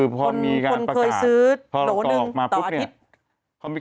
คุณเคยซื้อโลนึงต่ออาทิตย์